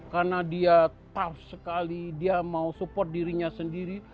karena dia tough sekali dia mau support dirinya sendiri